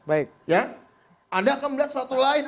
anda akan melihat suatu lain